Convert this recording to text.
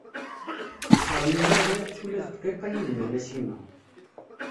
Taḥrem ma rniɣ-tt ula d dqiqa yid-m a Nasima.